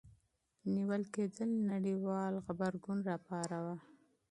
نیول کېدل نړیوال غبرګون راوپاروه.